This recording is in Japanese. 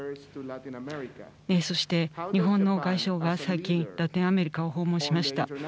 そして、日本の外相が最近ラテンアメリカを訪問しました。